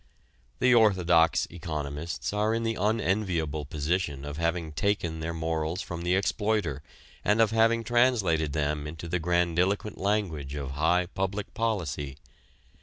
The orthodox economists are in the unenviable position of having taken their morals from the exploiter and of having translated them into the grandiloquent language of high public policy.